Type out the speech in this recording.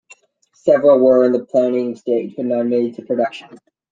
Several were in the planning stage, but none made it into production.